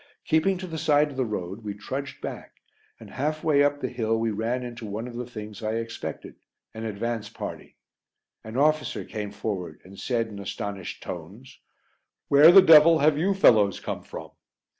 Keeping to the side of the road we trudged back, and half way up the hill we ran into one of the things I expected an advance party. An officer came forward and said in astonished tones: "Where the devil have you fellows come from?"